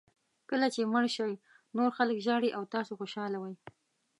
کله چې مړ شئ نور خلک ژاړي او تاسو خوشاله وئ.